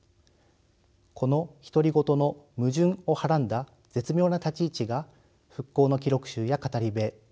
この独り言の矛盾をはらんだ絶妙な立ち位置が復興の記録集や語り部